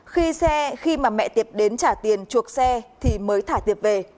khi mà mẹ tiệp đến trả tiền chuộc xe thì mới thả tiệp về